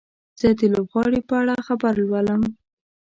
زه د لوبغاړي په اړه خبر لولم.